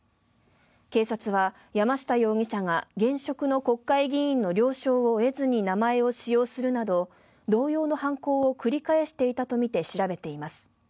警察は山下容疑者が現職の国会議員の了承を得ずに名前を使用するなど同様の犯行を繰り返していたとみて調べています。